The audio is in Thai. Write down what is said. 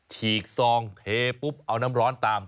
ฉีกซองเทปุ๊บเอาน้ำร้อนตาม